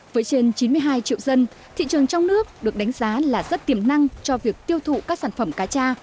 với trên chín mươi hai triệu dân thị trường trong nước được đánh giá là rất tiềm năng cho việc tiêu thụ các sản phẩm cá cha